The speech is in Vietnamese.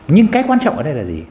nhưng cái quan trọng ở đây là gì